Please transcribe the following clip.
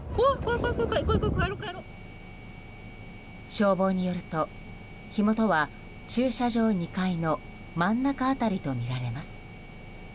消防によると火元は駐車場２階の真ん中辺りとみられます。